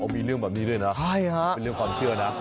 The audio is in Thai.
มีเรื่องแบบนี้ด้วยนะเป็นเรื่องความเชื่อนะ